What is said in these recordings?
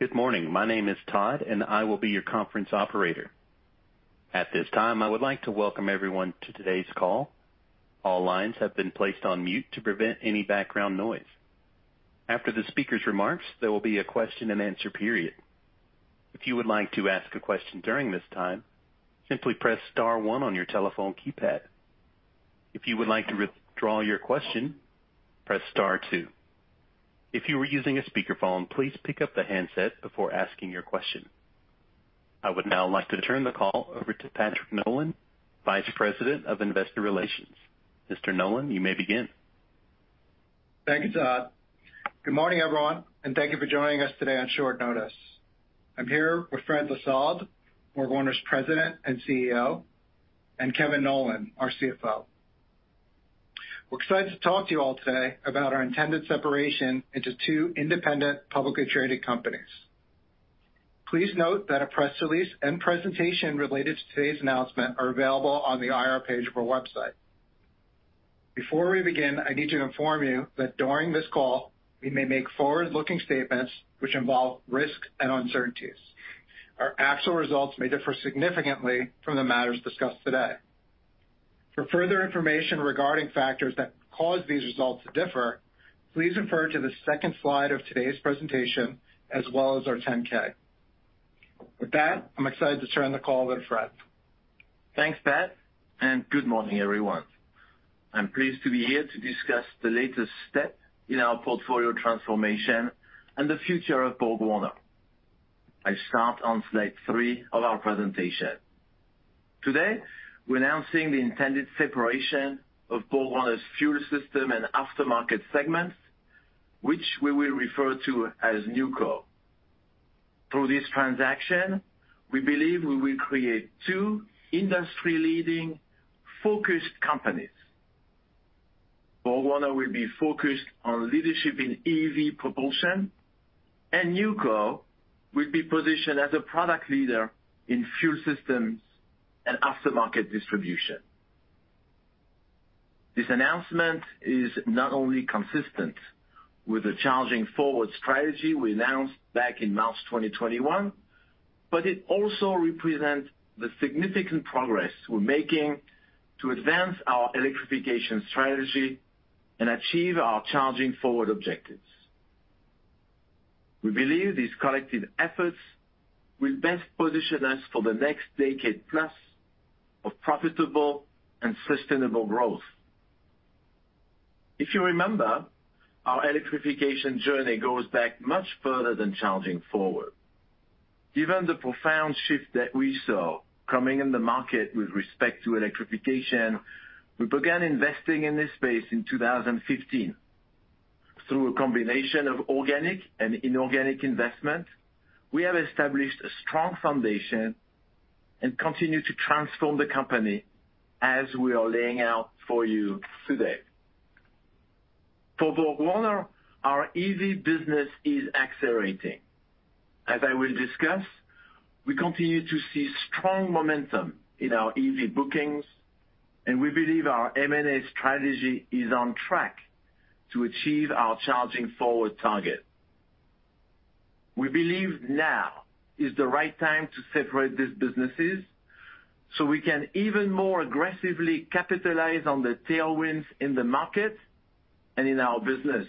Good morning. My name is Todd, and I will be your conference operator. At this time, I would like to welcome everyone to today's call. All lines have been placed on mute to prevent any background noise. After the speaker's remarks, there will be a question-and-answer period. If you would like to ask a question during this time, simply press star one on your telephone keypad. If you would like to withdraw your question, press star two. If you are using a speakerphone, please pick up the handset before asking your question. I would now like to turn the call over to Patrick Nolan, Vice President of Investor Relations. Mr. Nolan, you may begin. Thank you, Todd. Good morning, everyone, thank you for joining us today on short notice. I'm here with Frédéric Lissalde, BorgWarner's President and CEO, and Kevin Nowlan, our CFO. We're excited to talk to you all today about our intended separation into two independent, publicly traded companies. Please note that a press release and presentation related to today's announcement are available on the IR page of our website. Before we begin, I need to inform you that during this call, we may make forward-looking statements which involve risks and uncertainties. Our actual results may differ significantly from the matters discussed today. For further information regarding factors that cause these results to differ, please refer to the second slide of today's presentation as well as our Form 10-K. With that, I'm excited to turn the call over to Fréd. Thanks, Pat. Good morning, everyone. I'm pleased to be here to discuss the latest step in our portfolio transformation and the future of BorgWarner. I start on slide three of our presentation. Today, we're announcing the intended separation of BorgWarner's Fuel System and aftermarket segments, which we will refer to as NewCo. Through this transaction, we believe we will create two industry-leading focused companies. BorgWarner will be focused on leadership in EV propulsion, and NewCo will be positioned as a Fuel Systems and Aftermarket distribution. This announcement is not only consistent with the Charging Forward strategy we announced back in March 2021, but it also represents the significant progress we're making to advance our electrification strategy and achieve our Charging Forward objectives. We believe these collective efforts will best position us for the next decade plus of profitable and sustainable growth. If you remember, our electrification journey goes back much further than Charging Forward. Given the profound shift that we saw coming in the market with respect to electrification, we began investing in this space in 2015. Through a combination of organic and inorganic investment, we have established a strong foundation and continue to transform the company as we are laying out for you today. For BorgWarner, our EV business is accelerating. As I will discuss, we continue to see strong momentum in our EV bookings, and we believe our M&A strategy is on track to achieve our Charging Forward target. We believe now is the right time to separate these businesses so we can even more aggressively capitalize on the tailwinds in the market and in our business.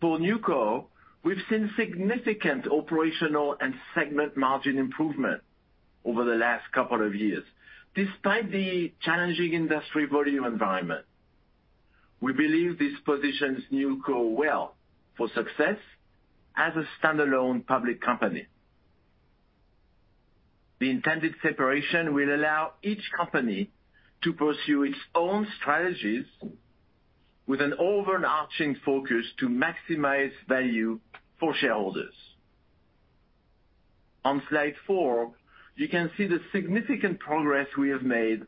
For NewCo, we've seen significant operational and segment margin improvement over the last couple of years, despite the challenging industry volume environment. We believe this positions NewCo well for success as a standalone public company. The intended separation will allow each company to pursue its own strategies with an overarching focus to maximize value for shareholders. On slide four, you can see the significant progress we have made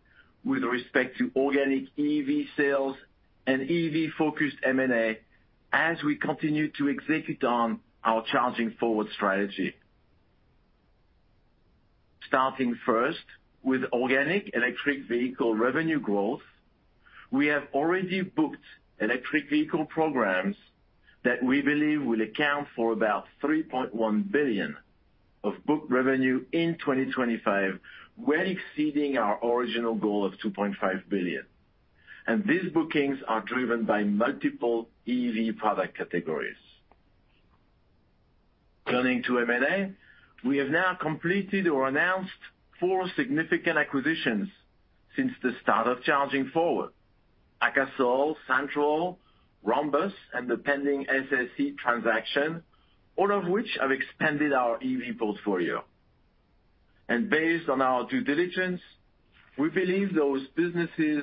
with respect to organic EV sales and EV-focused M&A as we continue to execute on our Charging Forward strategy. Starting first with organic electric vehicle revenue growth, we have already booked electric vehicle programs that we believe will account for about $3.1 billion of booked revenue in 2025, well exceeding our original goal of $2.5 billion. These bookings are driven by multiple EV product categories. Turning to M&A, we have now completed or announced four significant acquisitions since the start of Charging Forward. AKASOL, Santroll, Rhombus, and the pending SSE transaction, all of which have expanded our EV portfolio. Based on our due diligence, we believe those businesses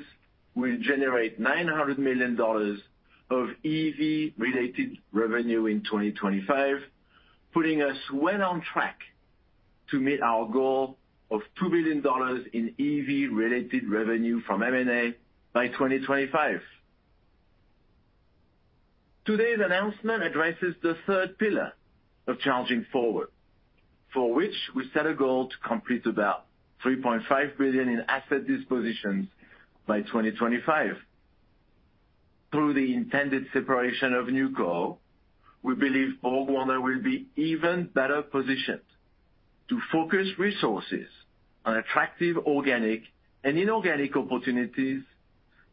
will generate $900 million of EV-related revenue in 2025, putting us well on track to meet our goal of $2 billion in EV-related revenue from M&A by 2025. Today's announcement addresses the third pillar of Charging Forward. For which we set a goal to complete about $3.5 billion in asset dispositions by 2025. Through the intended separation of NewCo, we believe BorgWarner will be even better positioned to focus resources on attractive organic and inorganic opportunities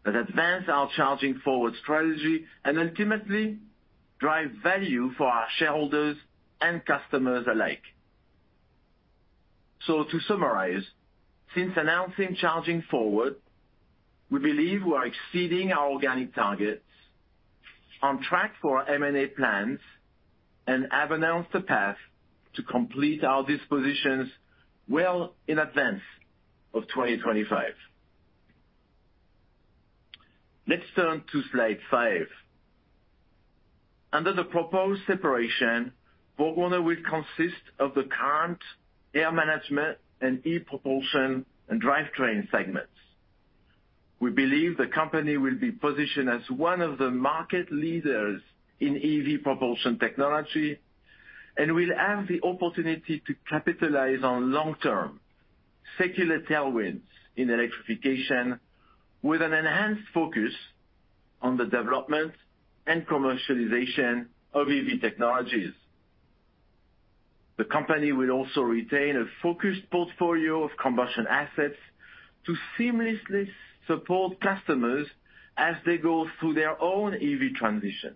that advance our Charging Forward strategy and ultimately drive value for our shareholders and customers alike. To summarize, since announcing Charging Forward, we believe we are exceeding our organic targets, on track for our M&A plans, and have announced a path to complete our dispositions well in advance of 2025. Let's turn to slide five. Under the proposed separation, BorgWarner will consist of the current Air Management and e-Propulsion & Drivetrain segments. We believe the company will be positioned as one of the market leaders in EV propulsion technology, and we'll have the opportunity to capitalize on long-term secular tailwinds in electrification with an enhanced focus on the development and commercialization of EV technologies. The company will also retain a focused portfolio of combustion assets to seamlessly support customers as they go through their own EV transitions.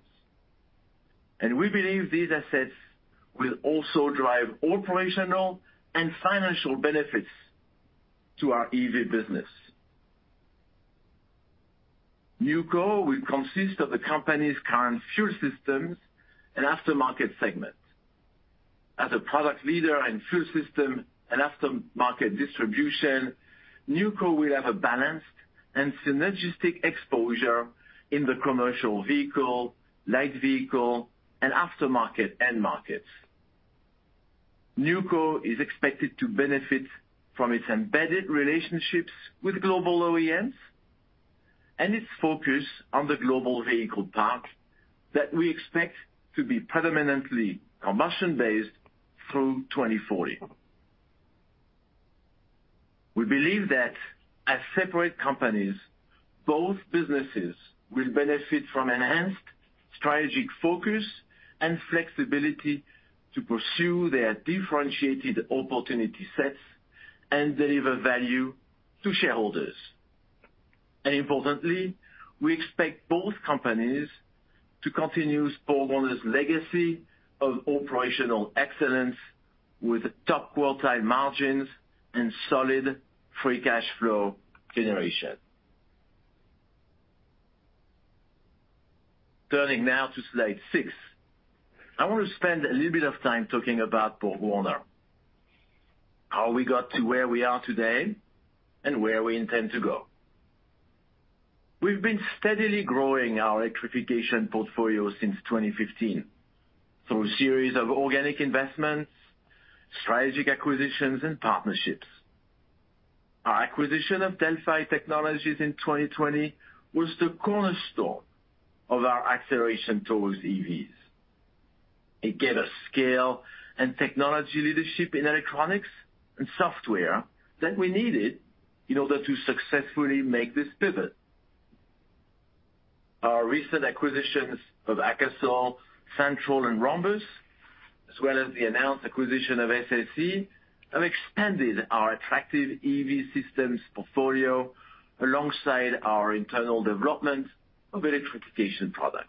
We believe these assets will also drive operational and financial benefits to our EV business. NewCo will consist of Fuel Systems and Aftermarket segment. As a product leader in Fuel System and aftermarket distribution, NewCo will have a balanced and synergistic exposure in the commercial vehicle, light vehicle, and aftermarket end markets. NewCo is expected to benefit from its embedded relationships with global OEMs and its focus on the global vehicle park that we expect to be predominantly combustion-based through 2040. We believe that as separate companies, both businesses will benefit from enhanced strategic focus and flexibility to pursue their differentiated opportunity sets and deliver value to shareholders. Importantly, we expect both companies to continue BorgWarner's legacy of operational excellence with top quartile margins and solid free cash flow generation. Turning now to slide six. I want to spend a little bit of time talking about BorgWarner, how we got to where we are today, and where we intend to go. We've been steadily growing our electrification portfolio since 2015 through a series of organic investments, strategic acquisitions, and partnerships. Our acquisition of Delphi Technologies in 2020 was the cornerstone of our acceleration towards EVs. It gave us scale and technology leadership in electronics and software that we needed in order to successfully make this pivot. Our recent acquisitions of AKASOL, Santroll, and Rhombus, as well as the announced acquisition of SSE, have expanded our attractive EV systems portfolio alongside our internal development of electrification products.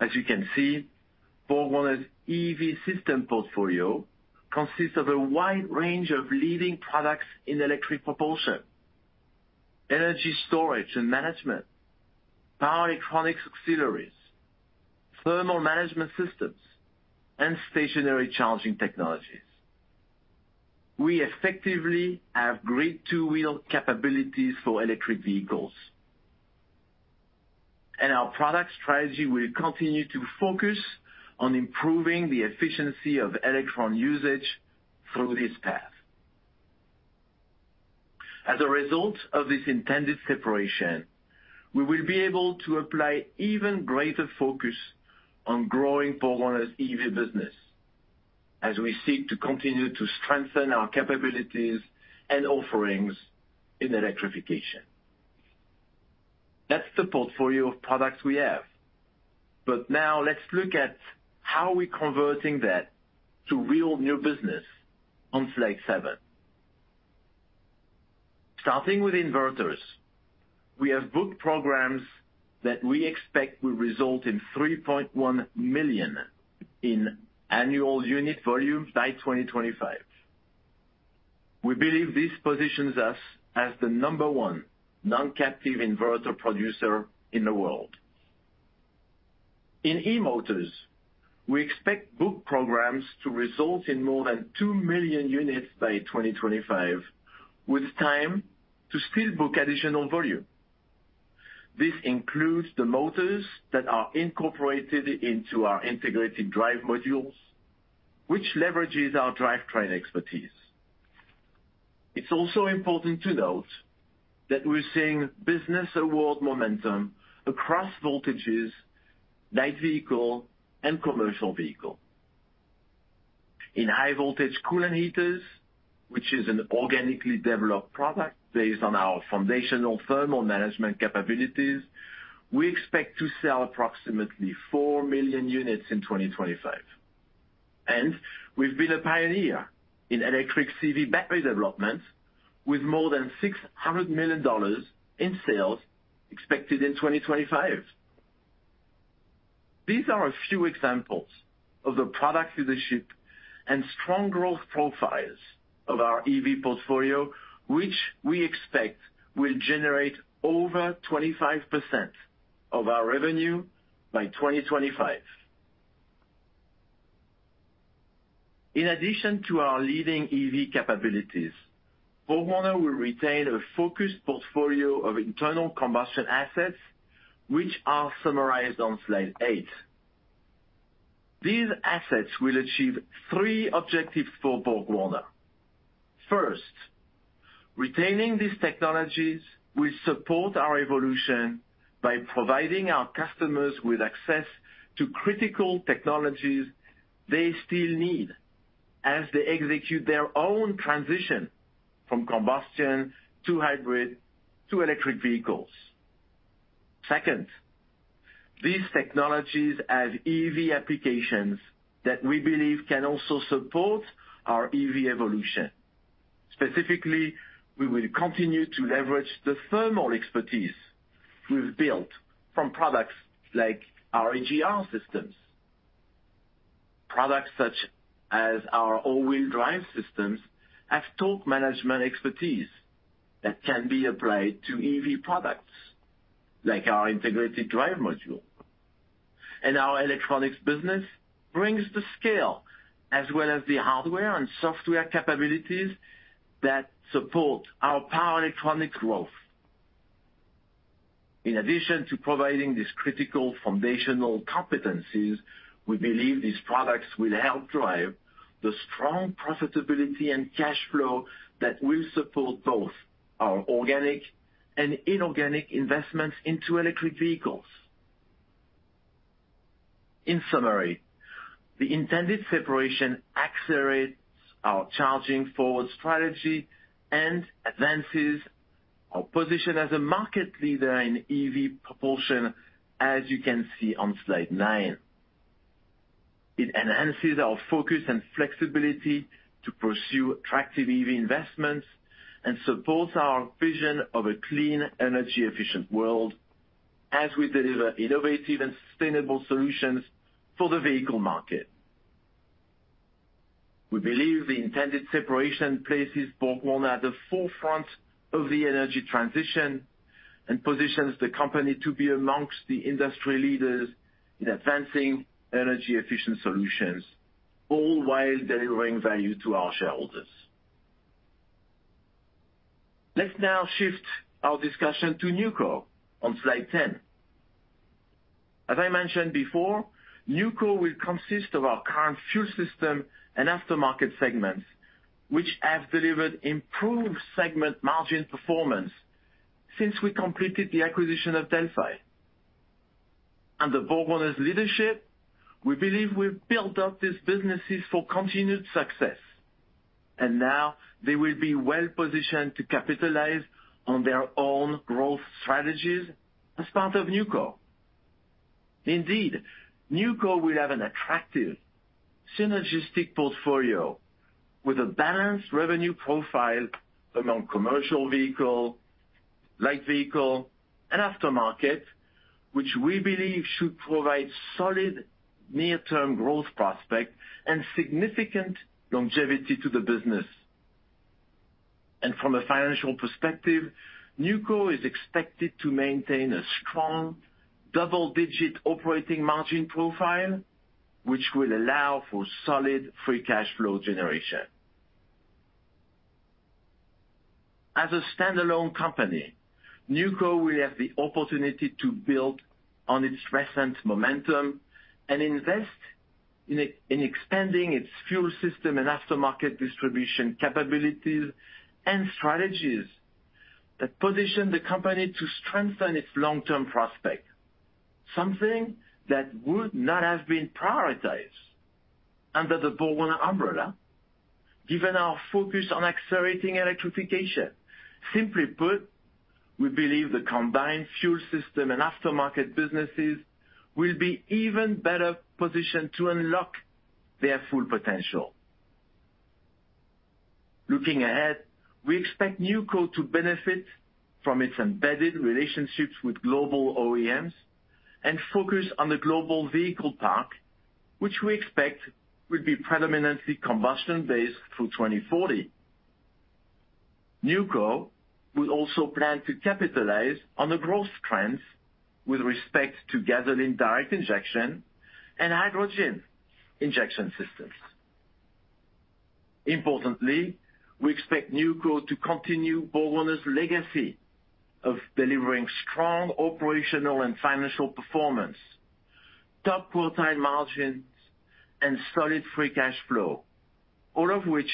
As you can see, BorgWarner's EV system portfolio consists of a wide range of leading products in electric propulsion, energy storage and management, power electronics auxiliaries, thermal management systems, and stationary charging technologies. We effectively have great two-wheel capabilities for electric vehicles. Our product strategy will continue to focus on improving the efficiency of electron usage through this path. As a result of this intended separation, we will be able to apply even greater focus on growing BorgWarner's EV business as we seek to continue to strengthen our capabilities and offerings in electrification. That's the portfolio of products we have. Now, let's look at how we're converting that to real new business on slide seven. Starting with inverters, we have booked programs that we expect will result in $3.1 million in annual unit volume by 2025. We believe this positions us as the number-one non-captive inverter producer in the world. In eMotors, we expect booked programs to result in more than 2 million units by 2025, with time to still book additional volume. This includes the motors that are incorporated into our Integrated Drive Modules, which leverages our Drivetrain expertise. It's also important to note that we're seeing business award momentum across voltages, light vehicle, and commercial vehicle. In high voltage coolant heaters, which is an organically developed product based on our foundational thermal management capabilities, we expect to sell approximately 4 million units in 2025. We've been a pioneer in electric CV battery development with more than $600 million in sales expected in 2025. These are a few examples of the product leadership and strong growth profiles of our EV portfolio, which we expect will generate over 25% of our revenue by 2025. In addition to our leading EV capabilities, BorgWarner will retain a focused portfolio of internal combustion assets which are summarized on slide eight. These assets will achieve three objectives for BorgWarner. First, retaining these technologies will support our evolution by providing our customers with access to critical technologies they still need as they execute their own transition from combustion to hybrid to electric vehicles. Second, these technologies have EV applications that we believe can also support our EV evolution. Specifically, we will continue to leverage the thermal expertise we've built from products like our EGR systems. Products such as our all-wheel drive systems have torque management expertise that can be applied to EV products like our Integrated Drive Module. Our electronics business brings the scale as well as the hardware and software capabilities that support our power electronic growth. In addition to providing these critical foundational competencies, we believe these products will help drive the strong profitability and cash flow that will support both our organic and inorganic investments into electric vehicles. In summary, the intended separation accelerates our Charging Forward strategy and advances our position as a market leader in EV propulsion, as you can see on slide nine. It enhances our focus and flexibility to pursue attractive EV investments and supports our vision of a clean, energy-efficient world as we deliver innovative and sustainable solutions for the vehicle market. We believe the intended separation places BorgWarner at the forefront of the energy transition and positions the company to be amongst the industry leaders in advancing energy-efficient solutions, all while delivering value to our shareholders. Let's now shift our discussion to NewCo on slide 10. As I mentioned before, NewCo will consist of our current Fuel System and aftermarket segments, which have delivered improved segment margin performance since we completed the acquisition of Delphi. Under BorgWarner's leadership, we believe we've built up these businesses for continued success, and now they will be well-positioned to capitalize on their own growth strategies as part of NewCo. Indeed, NewCo will have an attractive, synergistic portfolio with a balanced revenue profile among commercial vehicle, light vehicle, and aftermarket, which we believe should provide solid near-term growth prospect and significant longevity to the business. From a financial perspective, NewCo is expected to maintain a strong double-digit operating margin profile, which will allow for solid free cash flow generation. As a standalone company, NewCo will have the opportunity to build on its recent momentum and invest in expanding its Fuel System and aftermarket distribution capabilities and strategies that position the company to strengthen its long-term prospect, something that would not have been prioritized under the BorgWarner umbrella given our focus on accelerating electrification. Simply put, we believe the combined Fuel System and aftermarket businesses will be even better positioned to unlock their full potential. Looking ahead, we expect NewCo to benefit from its embedded relationships with global OEMs and focus on the global vehicle park, which we expect will be predominantly combustion-based through 2040. NewCo will also plan to capitalize on the growth trends with respect to gasoline direct injection and hydrogen injection systems. Importantly, we expect NewCo to continue BorgWarner's legacy of delivering strong operational and financial performance. Top quartile margins and solid free cash flow, all of which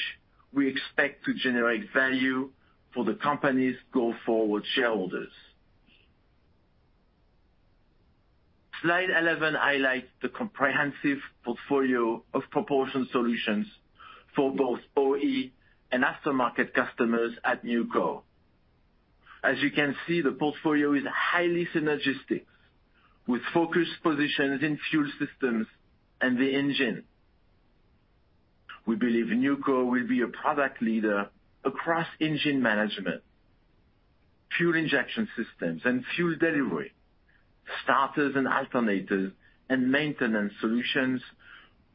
we expect to generate value for the company's go-forward shareholders. Slide 11 highlights the comprehensive portfolio of propulsion solutions for both OE and aftermarket customers at NewCo. As you can see, the portfolio is highly synergistic, with focused positions in Fuel Systems and the engine. We believe NewCo will be a product leader across engine management, fuel injection systems and fuel delivery, starters and alternators, and maintenance solutions,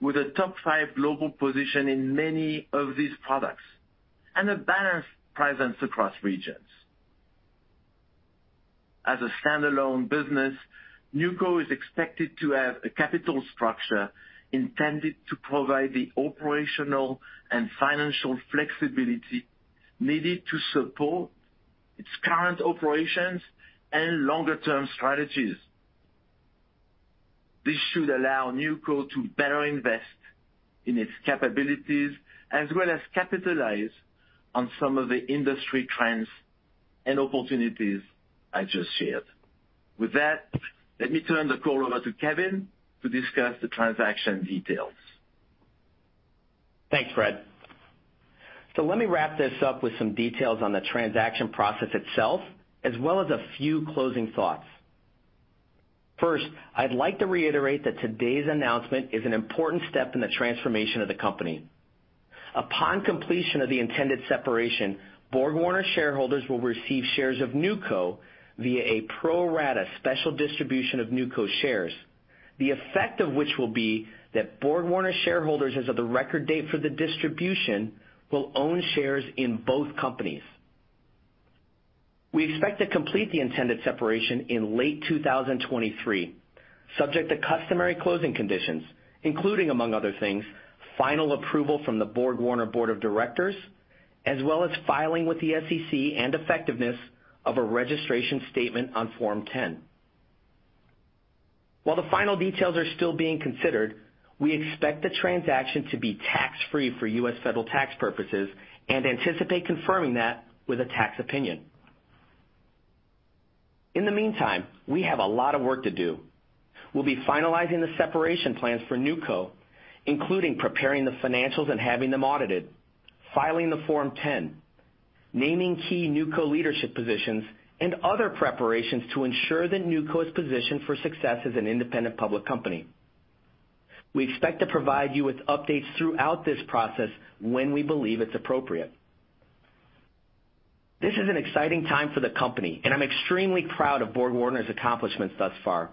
with a top five global position in many of these products and a balanced presence across regions. As a standalone business, NewCo is expected to have a capital structure intended to provide the operational and financial flexibility needed to support its current operations and longer-term strategies. This should allow NewCo to better invest in its capabilities as well as capitalize on some of the industry trends and opportunities I just shared. With that, let me turn the call over to Kevin to discuss the transaction details. Thanks, Fréd. Let me wrap this up with some details on the transaction process itself, as well as a few closing thoughts. First, I'd like to reiterate that today's announcement is an important step in the transformation of the company. Upon completion of the intended separation, BorgWarner shareholders will receive shares of NewCo via a pro rata special distribution of NewCo shares, the effect of which will be that BorgWarner shareholders, as of the record date for the distribution, will own shares in both companies. We expect to complete the intended separation in late 2023, subject to customary closing conditions, including, among other things, final approval from the BorgWarner Board of Directors, as well as filing with the SEC and effectiveness of a registration statement on Form 10. While the final details are still being considered, we expect the transaction to be tax-free for U.S. federal tax purposes and anticipate confirming that with a tax opinion. In the meantime, we have a lot of work to do. We'll be finalizing the separation plans for NewCo, including preparing the financials and having them audited, filing the Form 10, naming key NewCo leadership positions, and other preparations to ensure that NewCo is positioned for success as an independent public company. We expect to provide you with updates throughout this process when we believe it's appropriate. This is an exciting time for the company, and I'm extremely proud of BorgWarner's accomplishments thus far.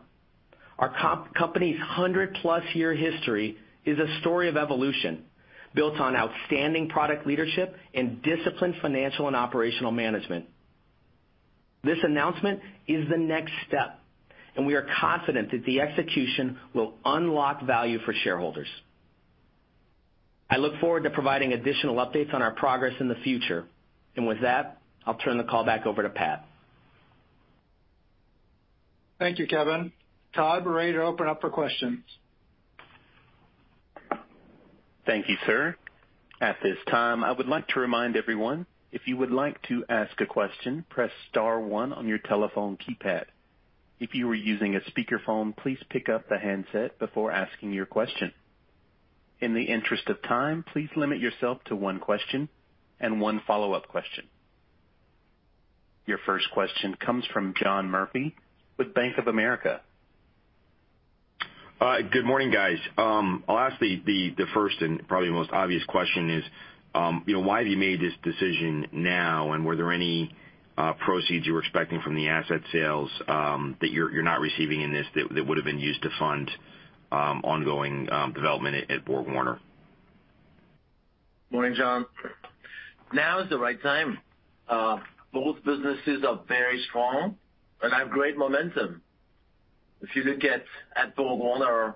Our company's 100+ year history is a story of evolution built on outstanding product leadership and disciplined financial and operational management. This announcement is the next step, and we are confident that the execution will unlock value for shareholders. I look forward to providing additional updates on our progress in the future. With that, I'll turn the call back over to Pat. Thank you, Kevin. Todd, we're ready to open up for questions. Thank you, sir. At this time, I would like to remind everyone, if you would like to ask a question, press star one on your telephone keypad. If you are using a speakerphone, please pick up the handset before asking your question. In the interest of time, please limit yourself to one question and one follow-up question. Your first question comes from John Murphy with Bank of America. Good morning, guys. I'll ask the first and probably most obvious question is, you know, why have you made this decision now? Were there any proceeds you were expecting from the asset sales that you're not receiving in this that would have been used to fund ongoing development at BorgWarner? Morning, John. Now, is the right time. Both businesses are very strong and have great momentum. If you look at BorgWarner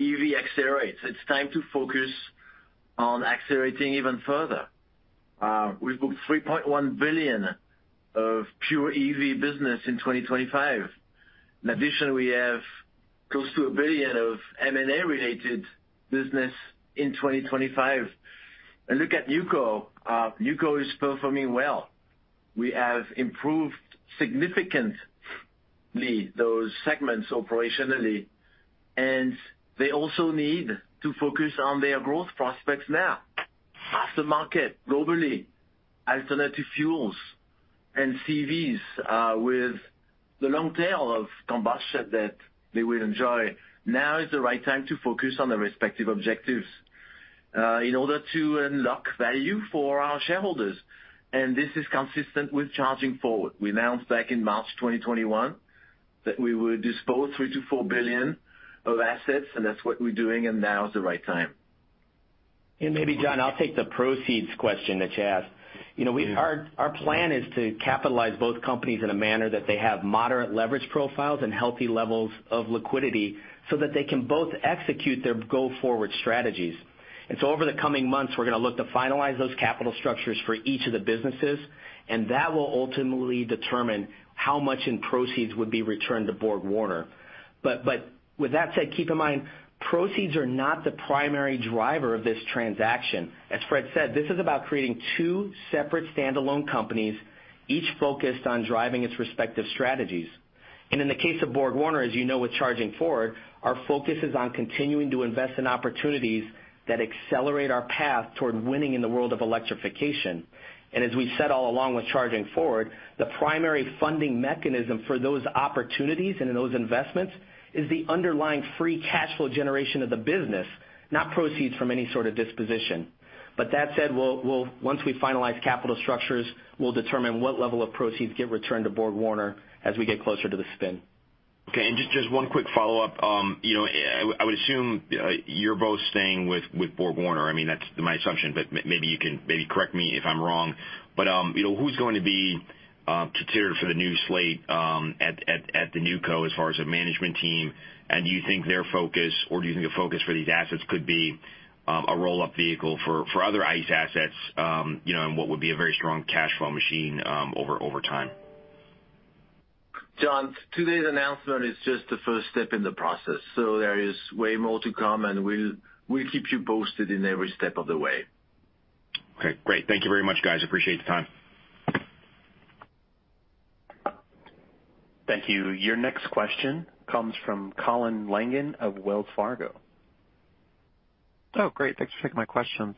EV accelerates, it's time to focus on accelerating even further. We've booked $3.1 billion of pure EV business in 2025. In addition, we have close to $1 billion of M&A-related business in 2025. Look at NewCo. NewCo is performing well. We have improved significantly those segments operationally, and they also need to focus on their growth prospects now. aftermarket, globally, alternative fuels, and CVs, with the long tail of combustion that they will enjoy, now is the right time to focus on their respective objectives, in order to unlock value for our shareholders. This is consistent with Charging Forward. We announced back in March 2021 that we would dispose $3 billion-$4 billion of assets. That's what we're doing. Now, is the right time. Maybe John, I'll take the proceeds question that you asked. You know, our plan is to capitalize both companies in a manner that they have moderate leverage profiles and healthy levels of liquidity so that they can both execute their go-forward strategies. Over the coming months, we're gonna look to finalize those capital structures for each of the businesses, and that will ultimately determine how much in proceeds would be returned to BorgWarner. With that said, keep in mind, proceeds are not the primary driver of this transaction. As Fréd said, this is about creating two separate standalone companies, each focused on driving its respective strategies. In the case of BorgWarner, as you know, with Charging Forward, our focus is on continuing to invest in opportunities that accelerate our path toward winning in the world of electrification. As we said all along with Charging Forward, the primary funding mechanism for those opportunities and in those investments is the underlying free cash flow generation of the business, not proceeds from any sort of disposition. That said, we'll Once we finalize capital structures, we'll determine what level of proceeds get returned to BorgWarner as we get closer to the spin. Okay. Just one quick follow-up. You know, I would assume you're both staying with BorgWarner. I mean, that's my assumption, but maybe you can correct me if I'm wrong. You know, who's going to be considered for the new slate at the NewCo as far as a management team? Do you think their focus or do you think the focus for these assets could be a roll-up vehicle for other ICE assets, you know, in what would be a very strong cash flow machine over time? John, today's announcement is just the first step in the process. There is way more to come, and we'll keep you posted in every step of the way. Okay, great. Thank you very much, guys. Appreciate the time. Thank you. Your next question comes from Colin Langan of Wells Fargo. Great. Thanks for taking my questions.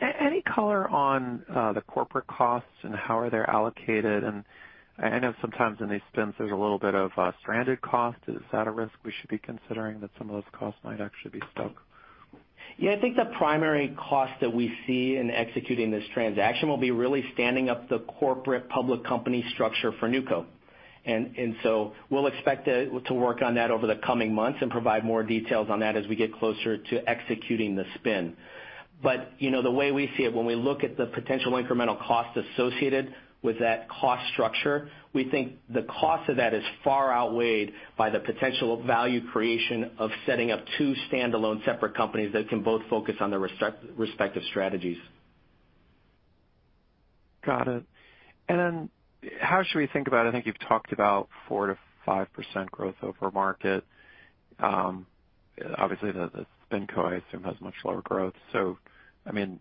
Any color on the corporate costs and how are they allocated? I know sometimes in these spins there's a little bit of stranded cost. Is that a risk we should be considering that some of those costs might actually be stuck? I think the primary cost that we see in executing this transaction will be really standing up the corporate public company structure for NewCo. We'll expect to work on that over the coming months and provide more details on that as we get closer to executing the spin. When we look at the potential incremental cost associated with that cost structure, we think the cost of that is far outweighed by the potential value creation of setting up two standalone separate companies that can both focus on their respective strategies. Got it. How should we think about, I think you've talked about 4%-5% growth over market. Obviously, the SpinCo, I assume, has much lower growth. I mean,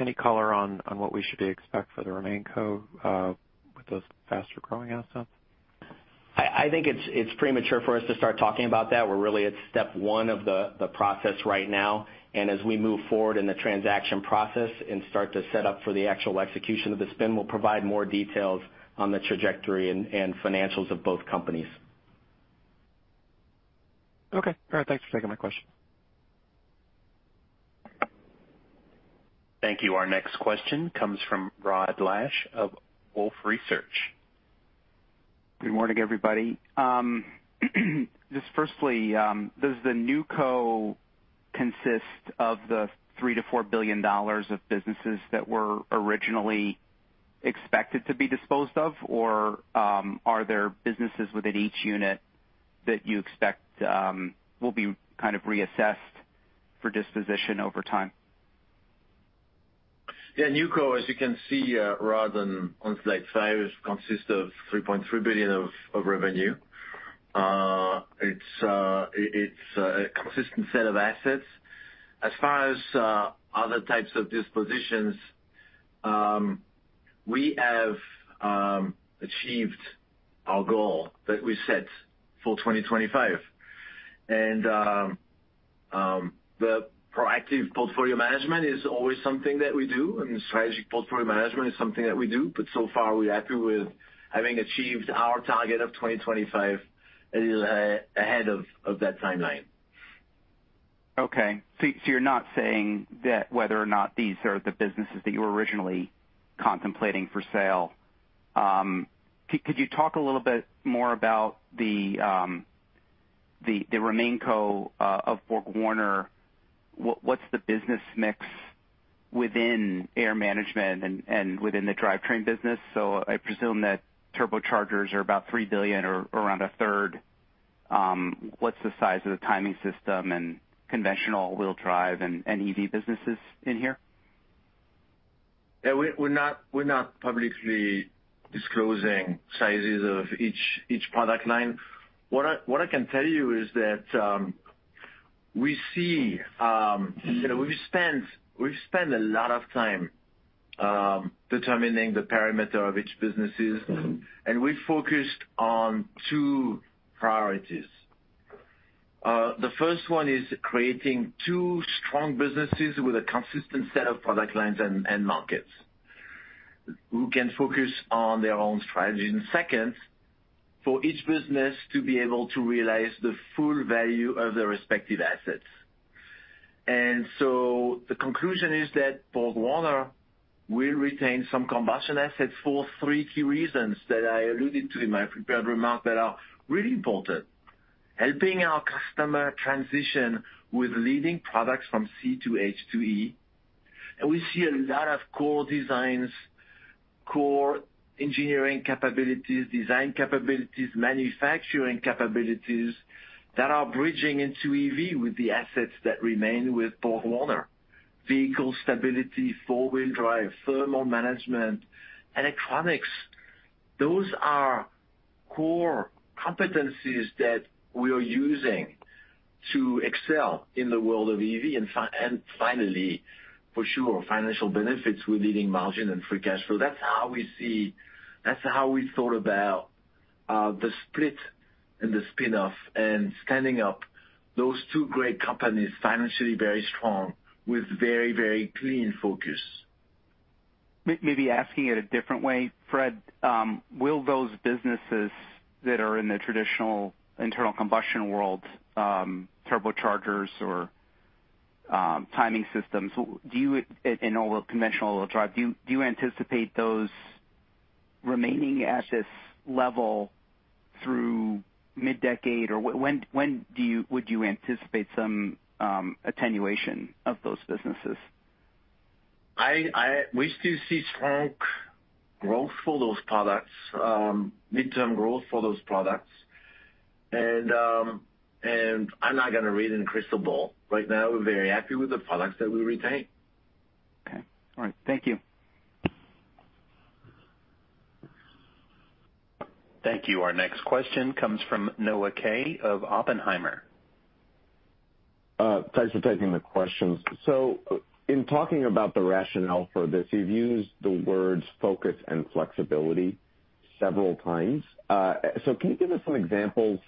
any color on what we should expect for the RemainCo, with those faster growing assets? I think it's premature for us to start talking about that. We're really at step one of the process right now. As we move forward in the transaction process and start to set up for the actual execution of the spin, we'll provide more details on the trajectory and financials of both companies. Okay. All right. Thanks for taking my question. Thank you. Our next question comes from Rod Lache of Wolfe Research. Good morning, everybody. Just firstly, does the NewCo consist of the $3 billion-$4 billion of businesses that were originally expected to be disposed of? Are there businesses within each unit that you expect will be kind of reassessed for disposition over time? Yeah, NewCo, as you can see, Rod, on slide five, consists of $3.3 billion of revenue. It's a consistent set of assets. As far as other types of dispositions, we have achieved our goal that we set for 2025. The proactive portfolio management is always something that we do, and strategic portfolio management is something that we do. So far, we're happy with having achieved our target of 2025 a little ahead of that timeline. Okay. You're not saying that whether or not these are the businesses that you were originally contemplating for sale. Could you talk a little bit more about the RemainCo of BorgWarner? What's the business mix within Air Management and within the Drivetrain business? I presume that turbochargers are about $3 billion or around a third. What's the size of the timing system and conventional all-wheel drive and EV businesses in here? Yeah. We're not publicly disclosing sizes of each product line. What I can tell you is that, we see, you know, we've spent a lot of time determining the parameter of each businesses, and we focused on two priorities. The first one is creating two strong businesses with a consistent set of product lines and markets who can focus on their own strategy. Second, for each business to be able to realize the full value of their respective assets. The conclusion is that BorgWarner will retain some combustion assets for three key reasons that I alluded to in my prepared remarks that are really important. Helping our customer transition with leading products from C to H to E. We see a lot of core engineering capabilities, design capabilities, manufacturing capabilities that are bridging into EV with the assets that remain with BorgWarner. Vehicle stability, four-wheel drive, thermal management, electronics. Those are core competencies that we are using to excel in the world of EV. Finally, for sure, financial benefits with leading margin and free cash flow. That's how we thought about the split and the spin-off and standing up those two great companies financially very strong with very, very clean focus. Maybe asking it a different way, Fréd. Will those businesses that are in the traditional internal combustion world, turbochargers or timing systems, in all conventional drive, do you anticipate those remaining at this level through mid-decade? Or when would you anticipate some attenuation of those businesses? We still see strong growth for those products, mid-term growth for those products. I'm not gonna read in a crystal ball. Right now, we're very happy with the products that we retain. Okay. All right. Thank you. Thank you. Our next question comes from Noah Kaye of Oppenheimer. Thanks for taking the questions. In talking about the rationale for this, you've used the words focus and flexibility several times. Can you give us some examples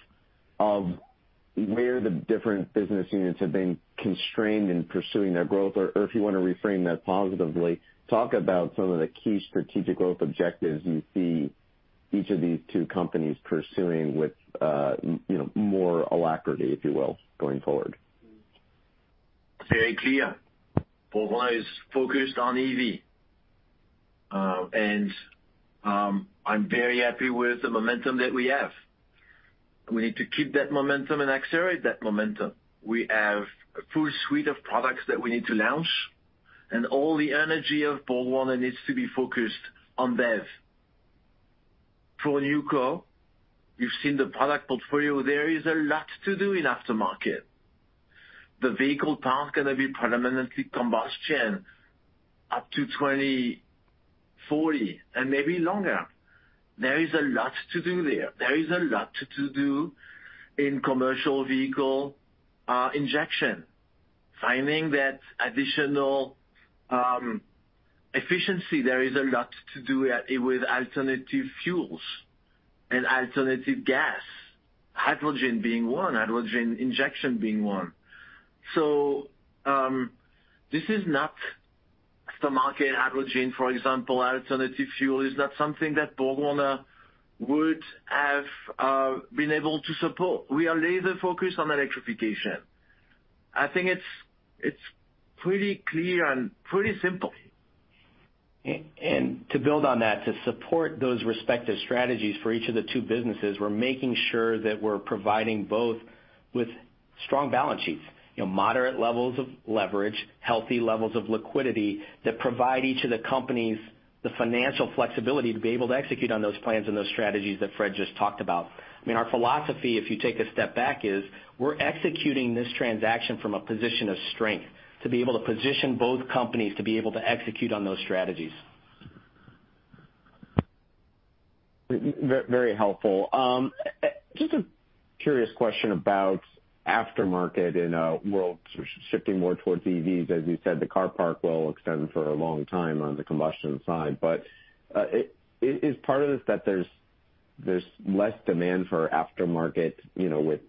of where the different business units have been constrained in pursuing their growth? Or if you wanna reframe that positively, talk about some of the key strategic growth objectives you see each of these two companies pursuing with, you know, more alacrity, if you will, going forward? Very clear. BorgWarner is focused on EV, and I'm very happy with the momentum that we have. We need to keep that momentum and accelerate that momentum. We have a full suite of products that we need to launch. All the energy of BorgWarner needs to be focused on BEV. For NewCo, you've seen the product portfolio. There is a lot to do in aftermarket. The vehicle park gonna be predominantly combustion up to 2040 and maybe longer. There is a lot to do there. There is a lot to do in commercial vehicle, injection. Finding that additional efficiency, there is a lot to do with alternative fuels and alternative gas, hydrogen being one, hydrogen injection being one. This is not aftermarket hydrogen, for example. Alternative fuel is not something that BorgWarner would have been able to support. We are laser-focused on electrification. I think it's pretty clear and pretty simple. To build on that, to support those respective strategies for each of the two businesses, we're making sure that we're providing both with strong balance sheets. You know, moderate levels of leverage, healthy levels of liquidity that provide each of the companies the financial flexibility to be able to execute on those plans and those strategies that Fréd just talked about. I mean, our philosophy, if you take a step back, is we're executing this transaction from a position of strength to be able to position both companies to be able to execute on those strategies. Very helpful. Just a curious question about aftermarket in a world shifting more towards EVs. As you said, the car park will extend for a long time on the combustion side. Is part of this that there's less demand for aftermarket, you know, with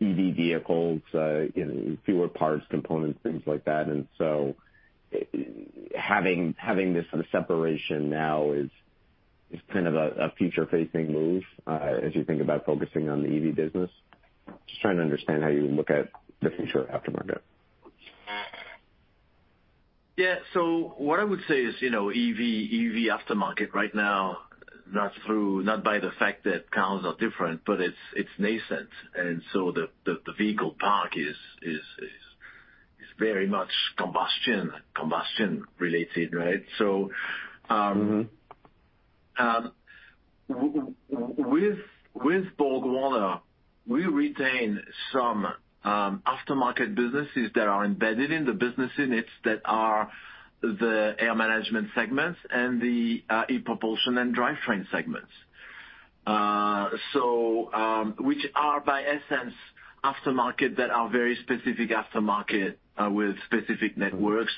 EV vehicles, you know, fewer parts, components, things like that, and so having this sort of separation now is kind of a future-facing move as you think about focusing on the EV business? Just trying to understand how you look at the future of aftermarket. Yeah. What I would say is, you know, EV aftermarket right now, not by the fact that counts are different, but it's nascent. The vehicle park is very much combustion related, right? So, Mm-hmm. With BorgWarner, we retain some aftermarket businesses that are embedded in the business units that are the Air Management segments and the e-Propulsion & Drivetrain segments. Which are, by essence, aftermarket that are very specific aftermarket with specific networks.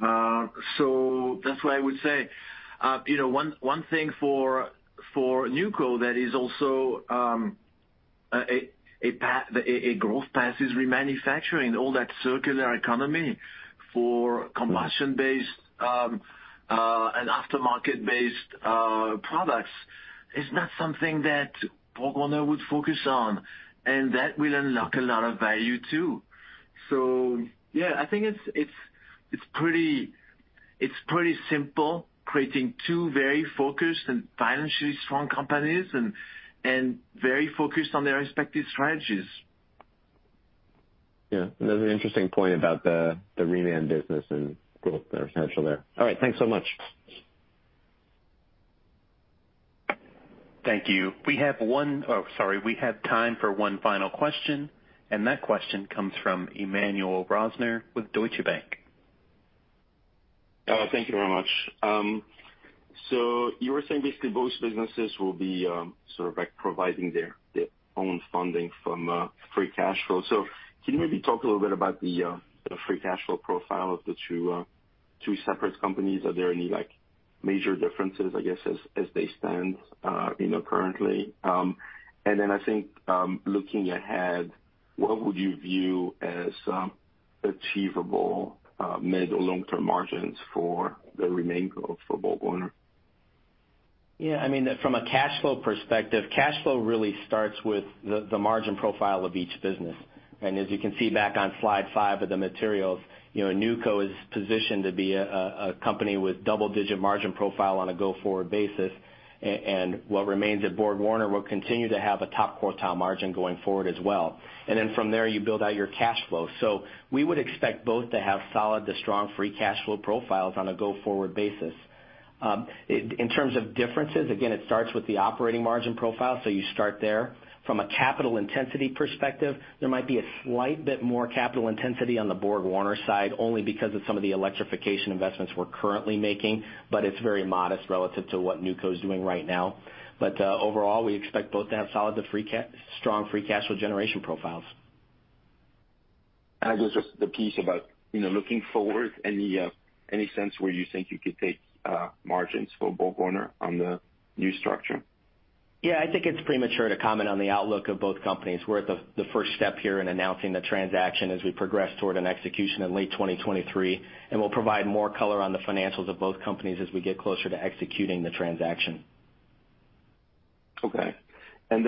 That's why I would say, you know, one thing for NewCo that is also a growth path is remanufacturing all that circular economy for combustion-based and aftermarket-based products. It's not something that BorgWarner would focus on, and that will unlock a lot of value too. Yeah, I think it's pretty simple, creating two very focused and financially strong companies and very focused on their respective strategies. Yeah. Another interesting point about the Reman business and growth that are potential there. All right. Thanks so much. Thank you. We have time for one final question. That question comes from Emmanuel Rosner with Deutsche Bank. Thank you very much. You were saying basically both businesses will be providing their own funding from free cash flow. Can you maybe talk a little bit about the free cash flow profile of the two separate companies? Are there any major differences, I guess, as they stand currently? I think, looking ahead, what would you view as achievable mid or long-term margins for the remainder of BorgWarner? Yeah, I mean, from a cash flow perspective, cash flow really starts with the margin profile of each business. As you can see back on slide five of the materials, you know, NewCo is positioned to be a company with double-digit margin profile on a go-forward basis. What remains at BorgWarner will continue to have a top quartile margin going forward as well. From there you build out your cash flow. We would expect both to have solid to strong free cash flow profiles on a go-forward basis. In terms of differences, again, it starts with the operating margin profile, you start there. From a capital intensity perspective, there might be a slight bit more capital intensity on the BorgWarner side only because of some of the electrification investments we're currently making, but it's very modest relative to what NewCo's doing right now. Overall, we expect both to have solid to strong free cash flow generation profiles. I guess just the piece about, you know, looking forward, any sense where you think you could take, margins for BorgWarner on the new structure? Yeah, I think it's premature to comment on the outlook of both companies. We're at the first step here in announcing the transaction as we progress toward an execution in late 2023. We'll provide more color on the financials of both companies as we get closer to executing the transaction. Okay. I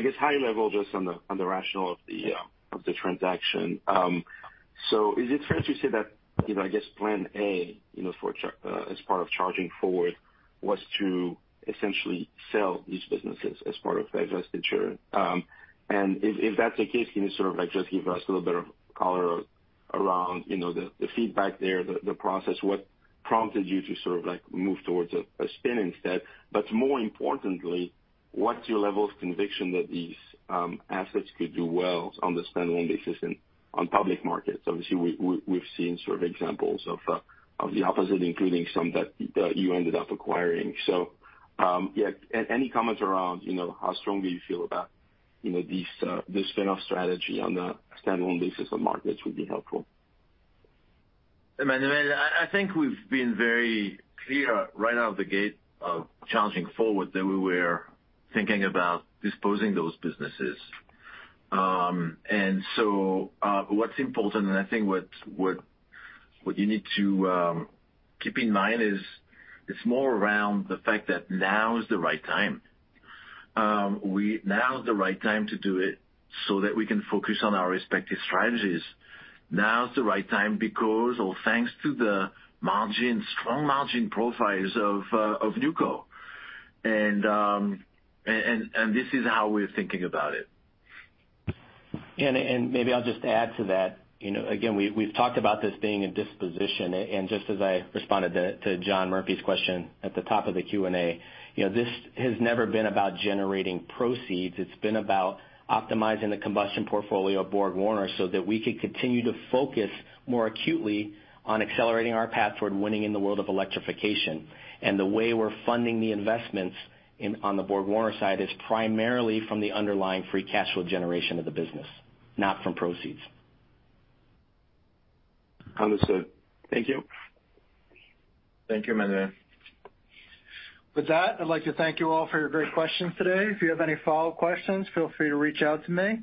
guess high level just on the rationale of the transaction. Is it fair to say that, you know, I guess plan A, you know, as part of Charging Forward was to essentially sell these businesses as part of the divestiture? If that's the case, can you sort of like just give us a little bit of color around, you know, the feedback there, the process, what prompted you to sort of like move towards a spin instead? More importantly, what's your level of conviction that these assets could do well on the standalone basis and on public markets? Obviously, we've seen sort of examples of the opposite, including some that you ended up acquiring. Yeah, any comments around, you know, how strongly you feel about, you know, this spin-off strategy on a standalone basis on markets would be helpful. Emmanuel, I think we've been very clear right out of the gate of Charging Forward that we were thinking about disposing those businesses. What's important and I think what you need to keep in mind is it's more around the fact that now is the right time. Now, is the right time to do it so that we can focus on our respective strategies. Now, is the right time because or thanks to the margin, strong margin profiles of NewCo. This is how we're thinking about it. Maybe I'll just add to that. You know, again, we've talked about this being a disposition. Just as I responded to John Murphy's question at the top of the Q&A, you know, this has never been about generating proceeds. It's been about optimizing the combustion portfolio of BorgWarner so that we could continue to focus more acutely on accelerating our path toward winning in the world of electrification. The way we're funding the investments on the BorgWarner side is primarily from the underlying free cash flow generation of the business, not from proceeds. Understood. Thank you. Thank you, Emmanuel. With that, I'd like to thank you all for your great questions today. If you have any follow-up questions, feel free to reach out to me.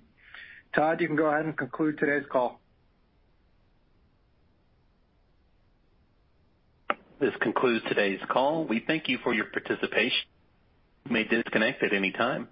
Todd, you can go ahead and conclude today's call. This concludes today's call. We thank you for your participation. You may disconnect at any time.